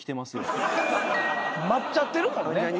待っちゃってるもんね